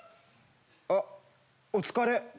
あっお疲れ！